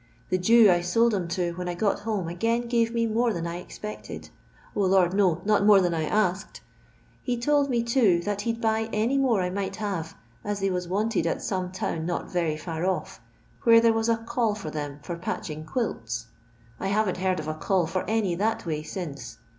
The Jew I sold 'em to when I got home again gave me more than I expected. 0, lord no, not more than I asked i He told me, too, that he 'd buy any more I might have, as they was wanted at some town not very far off, where there was a call for tbem for patching quilts. I haven't heard of a call for any that way since.